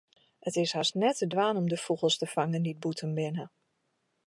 It is hast net te dwaan om de fûgels te fangen dy't bûten binne.